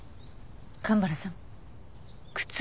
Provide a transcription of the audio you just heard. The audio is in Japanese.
蒲原さん。